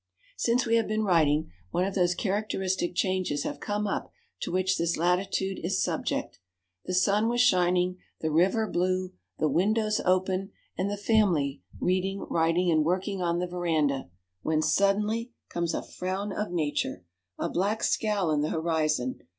Since we have been writing, one of those characteristic changes have come up to which this latitude is subject. The sun was shining, the river blue, the windows open, and the family reading, writing, and working on the veranda, when suddenly comes a frown of Nature, a black scowl in the horizon.